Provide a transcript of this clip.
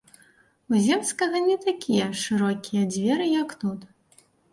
У земскага не такія шырокія дзверы, як тут.